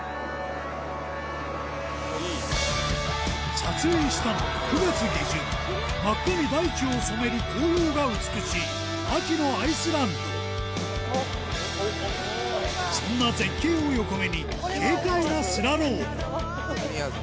撮影したのは９月下旬真っ赤に大地を染める紅葉が美しい秋のアイスランドそんな絶景を横目に軽快なスラロームこれみやぞん。